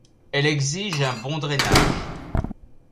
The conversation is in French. Elle exige un bon drainage.